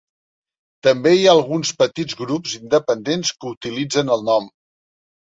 També hi ha alguns petits grups independents que utilitzen el nom.